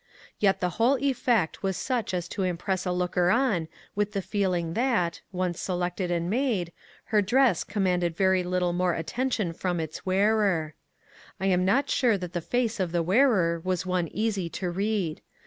Yet the whole effect was such' as to impress a looker on with the feeling that, once selected and made, her dress commanded very little more attention from its wearer. I am not sure that the face of the wearer was one easy to read.